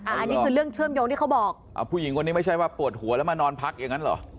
อันนี้คือเรื่องเชื่อมโยงที่เขาบอกอ่าผู้หญิงคนนี้ไม่ใช่ว่าปวดหัวแล้วมานอนพักอย่างนั้นเหรอ